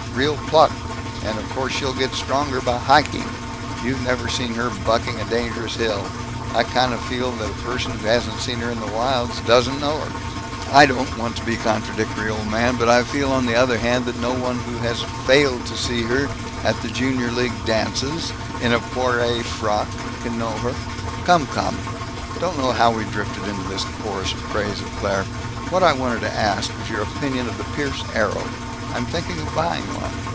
Real pluck. And of course she'll get stronger by hiking. You've never seen her bucking a dangerous hill I kind of feel that a person who hasn't seen her in the wilds doesn't know her." "I don't want to be contradictory, old man, but I feel on the other hand that no one who has failed to see her at the Junior League Dances, in a Poiret frock, can know her! Come, come! Don't know how we drifted into this chorus of praise of Claire! What I wanted to ask was your opinion of the Pierce Arrow. I'm thinking of buying one.